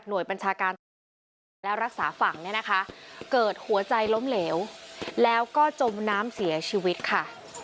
โดยบัญชาการตำรวจและรักษาฝั่งเนี่ยนะคะเกิดหัวใจล้มเหลวแล้วก็จมน้ำเสียชีวิตค่ะ